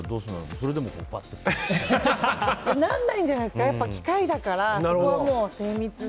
それでも、ぱっと。ならないんじゃないですか機械だから、そこは精密に。